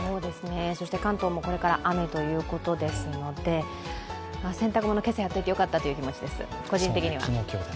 関東もこれから雨ということですので、洗濯物、今朝やっておいてよかったという気持ちです、個人的には。